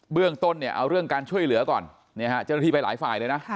เรื่องต้นเนี่ยเอาเรื่องการช่วยเหลือก่อนเจ้าหน้าที่ไปหลายฝ่ายเลยนะ